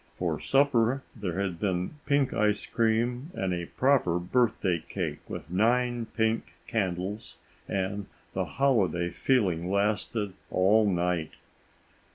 For supper there had been pink ice cream and a proper birthday cake with nine pink candles, and the holiday feeling lasted all night.